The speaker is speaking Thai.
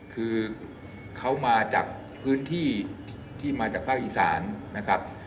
คือเขามาจากพื้นที่ที่มาจากภาคอีสานนะครับ